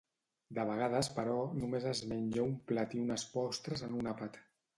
De vegades però, només es menja un plat i unes postres en un àpat.